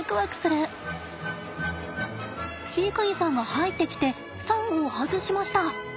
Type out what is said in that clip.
飼育員さんが入ってきてサンゴを外しました。